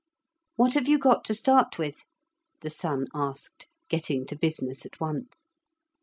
'What have you got to start with?' the son asked, getting to business at once.